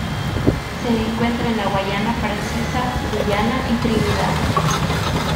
Se encuentra en la Guayana Francesa, Guyana y Trinidad.